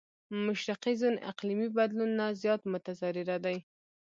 مشرقي زون اقليمي بدلون نه زيات متضرره دی.